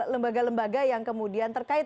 lembaga lembaga yang kemudian terkait